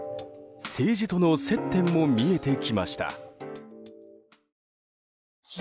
政治との接点も見えてきました。